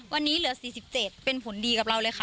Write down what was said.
วันนี้เหลือ๔๗เป็นผลดีกับเราเลยค่ะ